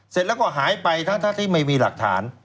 เสร็จแล้วก็หายไปทั้งที่ไม่มีหลักฐาน